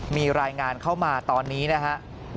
มีรายงานเข้ามาตอนนี้นะครับ